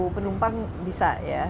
dua penumpang bisa ya